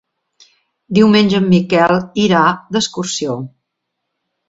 Diumenge en Miquel irà d'excursió.